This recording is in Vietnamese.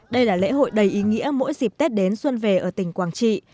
đây là lễ hội đầy ý nghĩa mỗi dịp tết đến xuân về ở tỉnh quảng trị